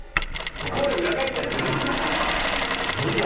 声裏返っちゃってる